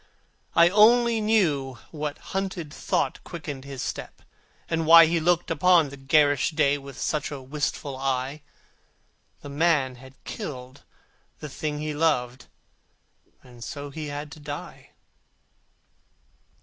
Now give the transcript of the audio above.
I only knew what haunted thought Quickened his step, and why He looked upon the garish day With such a wistful eye; The man had killed the thing he loved, And so he had to die.